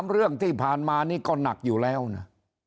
เรื่องที่ผ่านมานี่ก็หนักอยู่แล้วนะ